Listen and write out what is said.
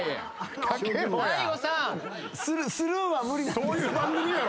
そういう番組やろ。